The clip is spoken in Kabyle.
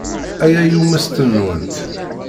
Aya i ummesten-nwent.